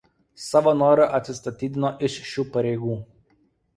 Savo noru atsistatydino iš šių pareigų.